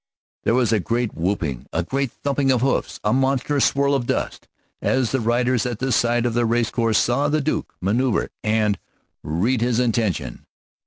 There was a great whooping, a great thumping of hoofs, a monstrous swirl of dust, as the riders at the side of the race course saw the Duke's maneuver and read his intention.